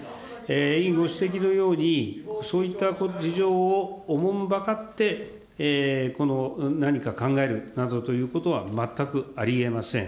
委員ご指摘のように、そういった事情をおもんばかって、この何か考えるなどということは、全くありえません。